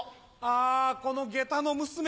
あこの下駄の娘